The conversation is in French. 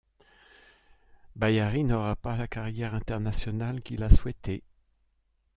Bayari n'aura pas la carrière internationale qu'il a souhaité.